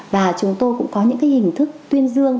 và chúng tôi cũng có những hình thức tuyên dương